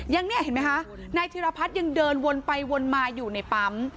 อย่างนี้เห็นไหมคะนายธิรพัฒน์ยังเดินวนไปวนมาอยู่ในปั๊ม